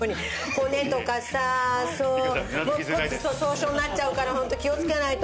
骨とかさそう骨粗しょう症になっちゃうからホント気をつけないと。